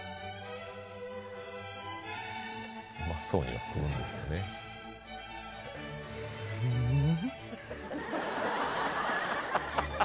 うまそうには食うんですよねうーん？